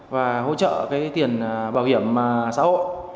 và hỗ trợ cái tiền bảo hiểm xã hội